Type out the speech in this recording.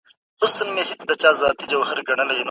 سیاستوال باید د ټولني پر وړاندي خپل مسوولیتونه وپېژني.